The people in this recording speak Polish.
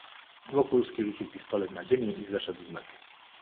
"Wokulski rzucił pistolet na ziemię i zeszedł z mety."